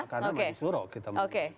karena masih suruh kita melihat